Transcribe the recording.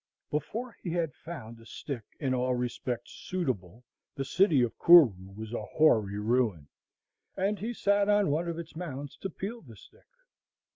Before he had found a stock in all respects suitable the city of Kouroo was a hoary ruin, and he sat on one of its mounds to peel the stick.